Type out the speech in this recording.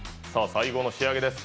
最後の仕上げです。